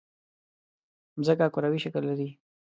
مځکه کروي شکل لري.